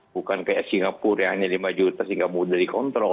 bukan seperti singapura yang hanya lima juta singapura sudah dikontrol